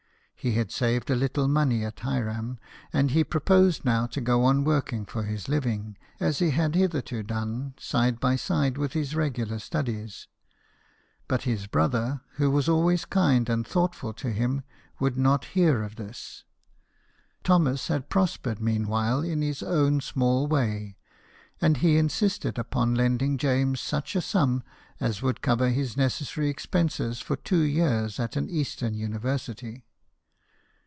He had saved a little money at Hiram ; and he pro posed now to go on working for his living, as he had hitherto done, side by side with his regular studies. But his brother, who was always kind and thoughtful to him, would not hear of this. Thomas had prospered mean while in his own small way, and he insisted upon lending James such a sum as would cover his necessary expenses for two years at an eastern university.